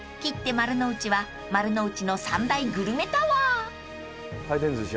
丸の内は丸の内の三大グルメタワー］